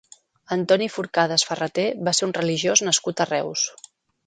Antoni Forcades Ferraté va ser un religiós nascut a Reus.